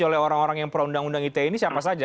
oleh orang orang yang pro undang undang ite ini siapa saja